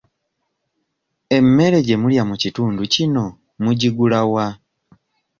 Emmere gye mulya mu kitundu kino mugigula wa?